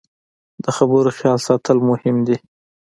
د خبرو خیال ساتل مهم دي